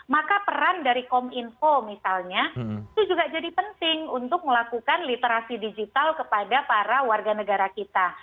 maka peran dari kominfo misalnya itu juga jadi penting untuk melakukan literasi digital kepada para warga negara kita